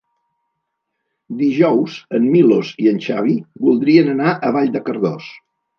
Dijous en Milos i en Xavi voldrien anar a Vall de Cardós.